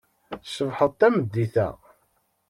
Tcebḥeḍ tameddit-a.